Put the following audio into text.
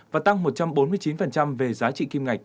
và tăng một trăm bốn mươi chín về giá trị kim ngạch